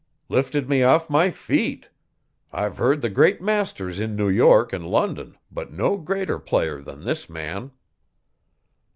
Lifted me off my feet! I've heard the great masters in New York and London, but no greater player than this man.'